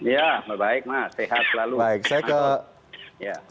ya baik mas sehat selalu